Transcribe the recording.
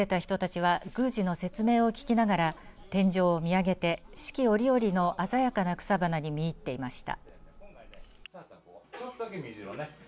訪れた人たちは宮司の説明を聞きながら天井を見上げて四季折々の鮮やかな草花に見入っていました。